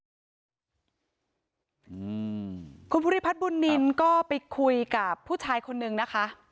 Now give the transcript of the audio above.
อืมคุณภูริพัฒน์บุญนินก็ไปคุยกับผู้ชายคนนึงนะคะ